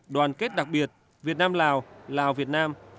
đoàn kết đặc biệt việt nam lào lào việt nam